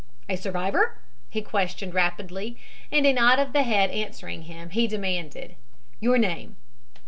"A survivor?" he questioned rapidly, and a nod of the head answering him, he demanded: "Your name."